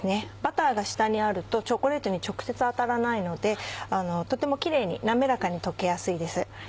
バターが下にあるとチョコレートに直接当たらないのでとてもキレイに滑らかに溶けやすいです。